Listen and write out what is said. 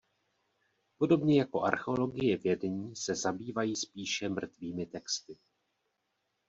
Podobně jako Archeologie vědění se zabývají spíše "mrtvými texty".